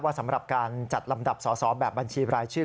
สำหรับการจัดลำดับสอสอแบบบัญชีรายชื่อ